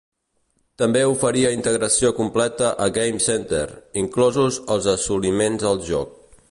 També oferia integració completa a Game Center, inclosos els assoliments al joc.